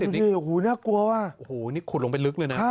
นี่น่ากลัวว่ะโอ้โฮนี่ขุดลงไปลึกเลยนะ